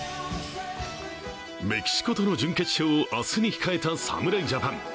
メキシコとの準決勝を明日に控えた侍ジャパン。